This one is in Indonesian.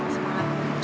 bukan gini gini ya